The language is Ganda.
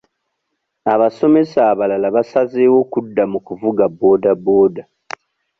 Abasomesa abalala basazeewo kudda mu kuvuga boodabooda.